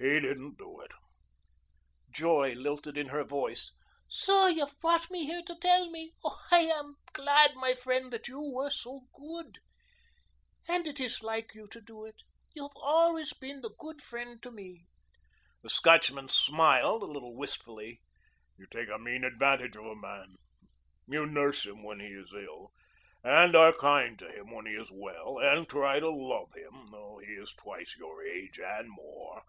He didn't do it." Joy lilted in her voice. "So you've brought me here to tell me. Oh, I am glad, my friend, that you were so good. And it is like you to do it. You have always been the good friend to me." The Scotchman smiled, a little wistfully. "You take a mean advantage of a man. You nurse him when he is ill and are kind to him when he is well and try to love him, though he is twice your age and more.